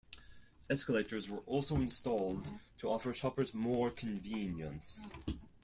Escalators were also installed to offer shoppers more convenience.